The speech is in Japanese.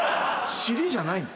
尻じゃないの？